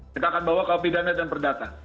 kita akan bawa kopi dana dan perdata